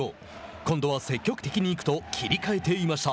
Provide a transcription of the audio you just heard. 今度は積極的に行くと切り替えていました。